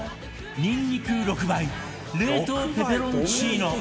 にんにく６倍冷凍ペペロンチーノ